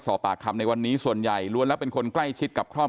สอบปากคำในวันนี้ส่วนใหญ่ล้วนแล้วเป็นคนใกล้ชิดกับครอบครัว